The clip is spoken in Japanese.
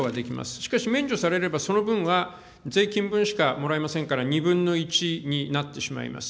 しかし免除されれば、その分は税金分しかもらえませんから、２分の１になってしまいます。